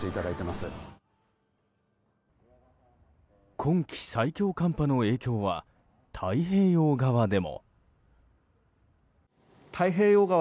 今季最強寒波の影響は太平洋側でも。